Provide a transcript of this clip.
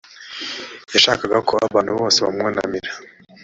yashakaga ko abantu bose bamwunamira